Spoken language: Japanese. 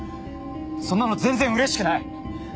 そんなの全然うれしくない